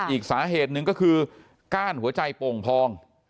อีกสาเหตุหนึ่งก็คือก้านหัวใจโป่งพอง